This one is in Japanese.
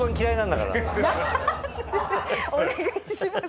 何でお願いします。